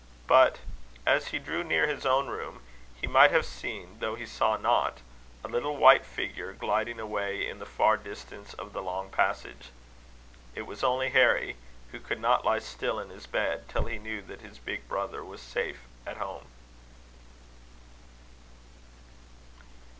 But, as he drew near his own room, he might have seen, though he saw not, a little white figure gliding away in the far distance of the long passage. It was only Harry, who could not lie still in his bed, till he knew that his big brother was safe at home.